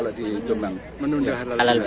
ada pak mahfud melarang itu